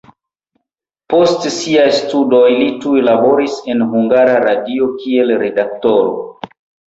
Post siaj studoj li tuj laboris en Hungara Radio kiel redaktoro.